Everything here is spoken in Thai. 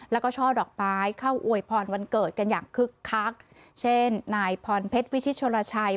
แล้วก็ช่อดอกไม้เข้าอวยพรวันเกิดกันอย่างคึกคักเช่นนายพรเพชรวิชิชนชัย